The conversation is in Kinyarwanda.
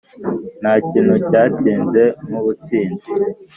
ntakintu cyatsinze nkubutsinzi